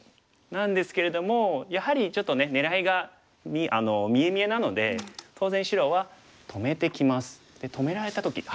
なんですけれどもやはりちょっとね狙いが見え見えなので当然白は止めてきます。で止められた時。